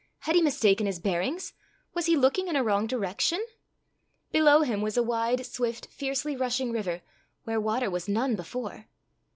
Had he mistaken his bearings? was he looking in a wrong direction? Below him was a wide, swift, fiercely rushing river, where water was none before!